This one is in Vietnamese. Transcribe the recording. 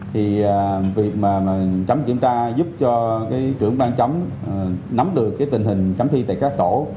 thì việc mà chấm kiểm tra giúp cho trưởng ban chấm nắm được tình hình chấm thi tại các tổ